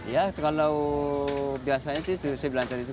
ya kalau biasanya itu saya belanja itu